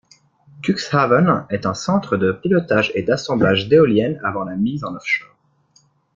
Cuxhaven est un centre de pilotage et d'assemblage d'éoliennes avant la mise en off-shore.